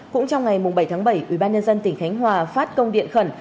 cũng trong ngày bảy tháng bảy ủy ban nhân dân tỉnh khánh hòa phát công điện khẩn